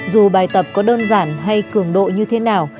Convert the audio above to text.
dù bài tập có đơn giản hay cường độ như thế nào